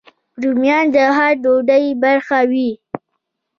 رومیان د هر ډوډۍ برخه وي